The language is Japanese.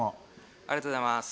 ありがとうございます。